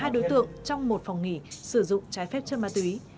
hai đối tượng trong một phòng nghỉ sử dụng trái phép chân ma túy